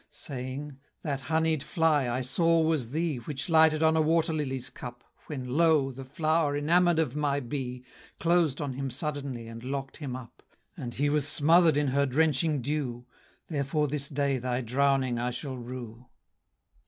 Saying, "That honied fly I saw was thee, Which lighted on a water lily's cup, When, lo! the flower, enamor'd of my bee, Closed on him suddenly and lock'd him up, And he was smother'd in her drenching dew; Therefore this day thy drowning I shall rue."